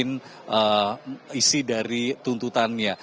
yang diberikan oleh tim jaksa penuntut umum